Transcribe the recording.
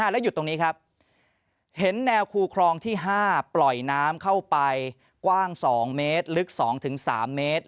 แล้วหยุดตรงนี้ครับเห็นแนวคูครองที่๕ปล่อยน้ำเข้าไปกว้าง๒เมตรลึก๒๓เมตร